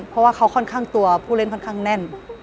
เพราะว่าเขาค่อนข้างตัวผู้เล่นค่อนข้างแน่น